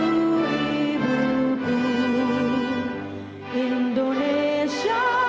tadinya aku sekarang di indonesia